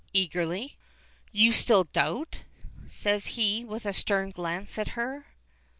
Eagerly. "You still doubt?" says he, with a stern glance at her.